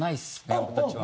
僕たちは。